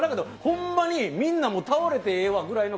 ほんまにみんな倒れてええわぐらいな